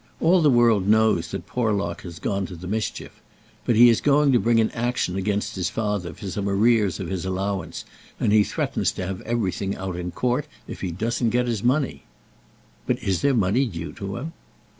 All the world knows that Porlock had gone to the mischief. But he is going to bring an action against his father for some arrears of his allowance, and he threatens to have everything out in court, if he doesn't get his money." "But is there money due to him?"